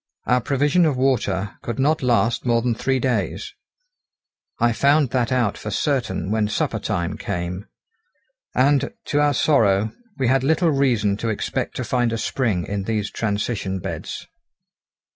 Our provision of water could not last more than three days. I found that out for certain when supper time came. And, to our sorrow, we had little reason to expect to find a spring in these transition beds.